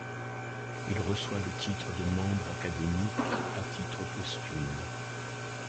Il reçoit le titre de membre académique à titre posthume.